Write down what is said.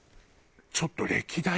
ちょっと歴代